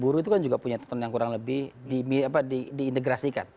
buruh itu kan juga punya tuntutan yang kurang lebih diintegrasikan